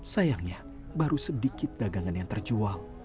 sayangnya baru sedikit dagangan yang terjual